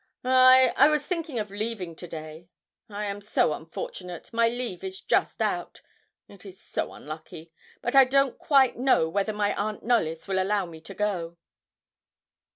'I I was thinking of leaving today; I am so unfortunate my leave is just out it is so unlucky; but I don't quite know whether my aunt Knollys will allow me to go.'